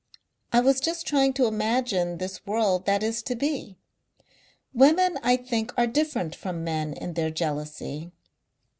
I was just trying to imagine this world that is to be. Women I think are different from men in their jealousy.